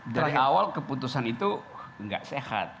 dari awal keputusan itu nggak sehat